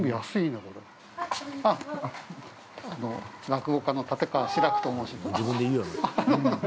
落語家の立川志らくと申します。